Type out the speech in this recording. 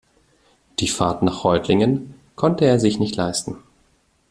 Die Fahrt nach Reutlingen konnte er sich nicht leisten